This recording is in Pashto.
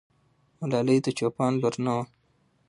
ملالۍ د چوپان لور نه وه.